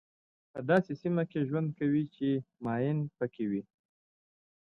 په داسې سیمه کې ژوند کوئ چې ماین پکې وي.